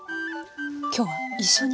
今日は一緒に。